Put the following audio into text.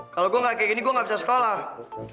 kalau gue gak kayak gini gue gak bisa sekolah